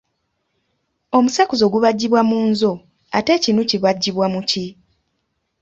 Omusekuzo gubajjibwa mu nzo ate ekinu kibajjibwa mu ki?